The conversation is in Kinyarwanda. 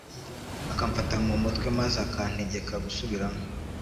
akamfata mu mutwe maze akantegeka gusubiramo